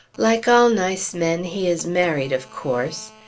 Like all nice men, he is married, of course.